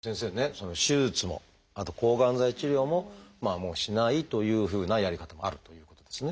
その手術もあと抗がん剤治療ももうしないというふうなやり方もあるということですね。